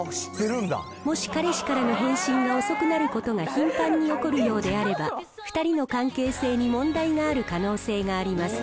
もし彼氏からの返信が遅くなることが頻繁に起こるようであれば、２人の関係性に問題がある可能性があります。